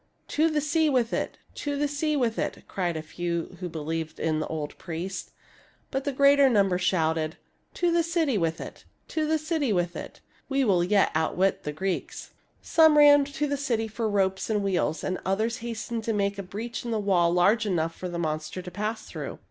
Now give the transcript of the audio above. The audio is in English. " To the sea with it ! To the sea with it !" cried a few who believed in the old priest. But the greater number shouted, " To the city 148 THIRTY MORE FAMOUS STORIES with it! To the city with it! We will yet out wit the Greeks !" Some ran to the city for ropes and wheels, and others hastened to make a breach in the wall large enough for the monster to pass through.